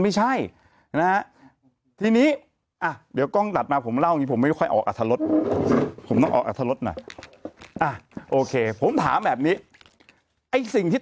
ไม่ใช่นะทีนี้เดี๋ยวกล้องตัดมาผมเล่าอย่างนี้ผมไม่ค่อยออกอรรถรสผมต้อง